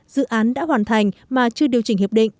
dự án đã hoàn thành mà chưa điều chỉnh hiệp định